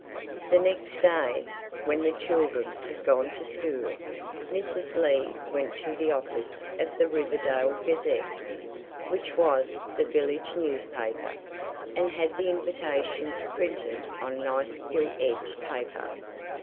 The next day, when the children had gone to school, Mrs. Lee went to the office of the Riverdale Gazette, which was the village newspaper, and had the invitations printed on nice gilt edged paper.